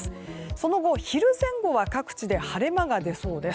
その後、昼前後は各地で晴れ間が出そうです。